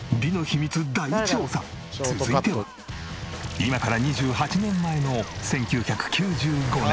今から２８年前の１９９５年。